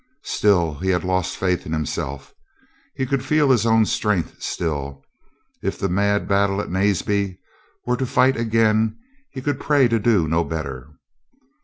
Still he had lost faith in him self. He could feel his own strength still. If the mad battle of Naseby were to fight again, he could pray to do no better.